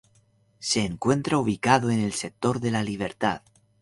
Se encuentra ubicado en el Sector de la Libertad.